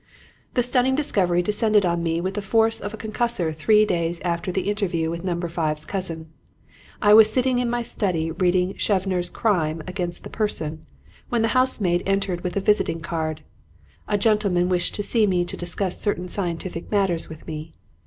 "The stunning discovery descended on me with the force of a concussor three days after the interview with Number Five's cousin. I was sitting in my study reading Chevers' 'Crime against the Person' when the housemaid entered with a visiting card. 'A gentleman wished to see me to discuss certain scientific matters with me.'